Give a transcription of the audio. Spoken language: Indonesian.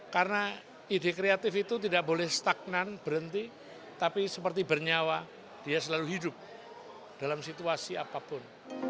karena ide kreatif itu tidak boleh stagnan berhenti tapi seperti bernyawa dia selalu hidup dalam situasi apapun